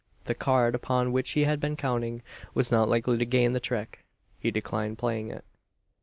The card, upon which he had been counting, was not likely to gain the trick. He declined playing it.